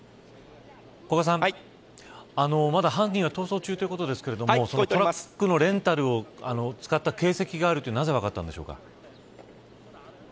まだ犯人は逃走中ということですがトラックのレンタルを使った形跡があるというのはなぜわかったんでしょうか。